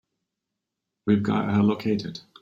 We've got her located.